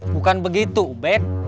bukan begitu bek